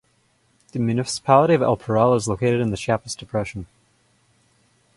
The municipality of El Parral is located in the Chiapas Depression.